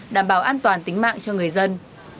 đảm bảo an toàn tính mạng cho người dân